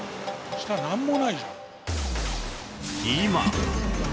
下なんもないじゃん。